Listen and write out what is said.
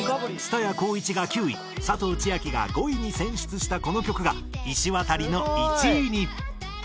蔦谷好位置が９位佐藤千亜妃が５位に選出したこの曲がいしわたりの１位に。